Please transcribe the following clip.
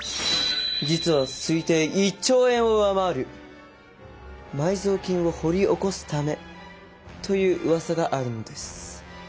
実は推定１兆円を上回る埋蔵金を掘り起こすためといううわさがあるのです。